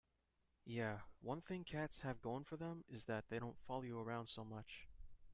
Yeah, one thing cats have going for them is that they don't follow you around so much.